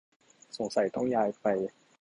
สงสัยต้องย้ายไป